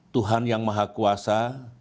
tuhan yang maha kuasa